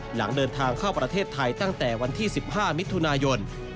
หลังเดินทางเข้าประเทศไทยตั้งแต่วันที่๑๕มิถุนายน